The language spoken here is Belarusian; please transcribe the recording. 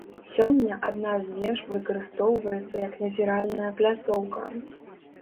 Сёння адна з веж выкарыстоўваецца як назіральная пляцоўка.